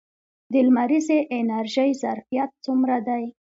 د لمریزې انرژۍ ظرفیت څومره دی؟